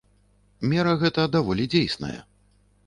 Мера гэта даволі дзейсная.